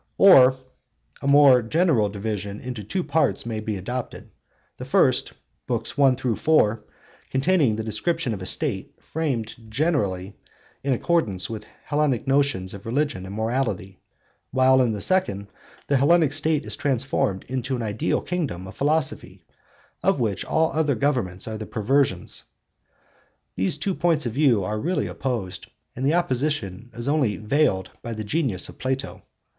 Or a more general division into two parts may be adopted; the first (Books I IV) containing the description of a State framed generally in accordance with Hellenic notions of religion and morality, while in the second (Books V X) the Hellenic State is transformed into an ideal kingdom of philosophy, of which all other governments are the perversions. These two points of view are really opposed, and the opposition is only veiled by the genius of Plato.